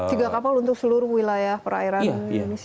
tiga kapal untuk seluruh wilayah perairan indonesia